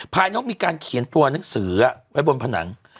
น้องมีการเขียนตัวหนังสือไว้บนผนัง